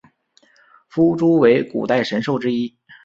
夫诸为古代神兽之一。